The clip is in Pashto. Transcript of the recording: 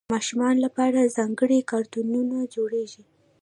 د ماشومانو لپاره ځانګړي کارتونونه جوړېږي.